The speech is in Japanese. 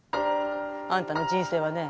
あんたの人生はね